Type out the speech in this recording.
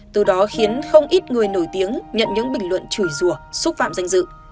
từ đó khiến không ít người nổi tiếng nhận những bình luận chùi rùa xúc phạm danh dự